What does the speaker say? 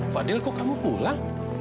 fadil kok kamu pulang